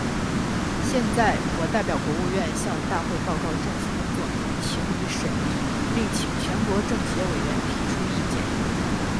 现在，我代表国务院，向大会报告政府工作，请予审议，并请全国政协委员提出意见。